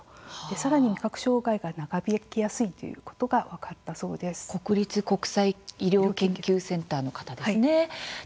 さらに味覚障害が長引きやすいということが国立国際医療研究センターの方ですね。